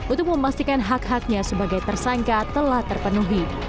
untuk memastikan hak haknya sebagai tersangka telah terpenuhi